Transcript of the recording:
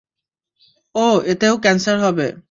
ও এতেও ক্যান্সার হবে।